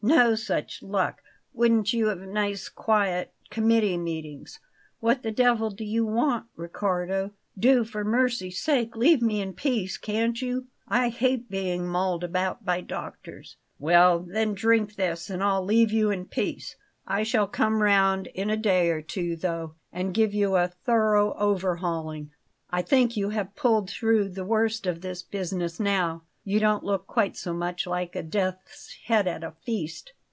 "No such luck! Wouldn't you have nice quiet committee meetings? What the devil do you want, Riccardo? Do for mercy's sake leave me in peace, can't you? I hate being mauled about by doctors." "Well then, drink this and I'll leave you in peace. I shall come round in a day or two, though, and give you a thorough overhauling. I think you have pulled through the worst of this business now; you don't look quite so much like a death's head at a feast."